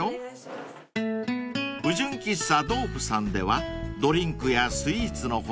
［不純喫茶ドープさんではドリンクやスイーツの他